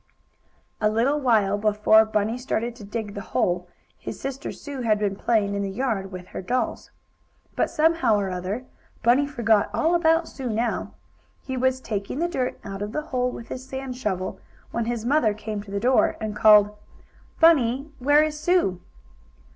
A little while before Bunny started to dig the hole his sister Sue had been playing in the yard with her dolls. But, somehow or other, Bunny forgot all about Sue now. He was taking the dirt out of the hole with his sand shovel when his mother came to the door and called: "Bunny, where is Sue?"